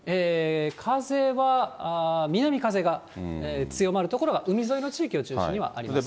風は南風が強まる所が、海沿いの地域を中心にはありますね。